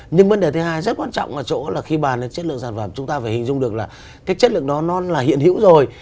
nhưng vấn đề thứ hai rất quan trọng ở chỗ là khi bàn lên chất lượng sản phẩm chúng ta phải hình dung được là cái chất lượng đó nó là hiện hữu rồi